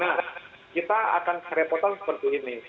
nah kita akan kerepotan seperti ini